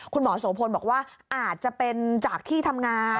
คุณหมอโสโพนบอกว่าอาจจะเป็นจากที่ทำงาน